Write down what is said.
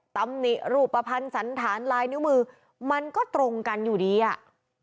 ตำหนิรูปภัณฑ์สันธารลายนิ้วมือมันก็ตรงกันอยู่ดีอ่ะ